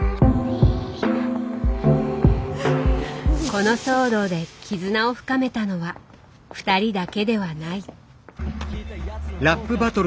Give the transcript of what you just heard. この騒動で絆を深めたのは２人だけではない。